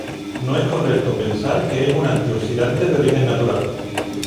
No es correcto pensar que es un antioxidante de origen natural.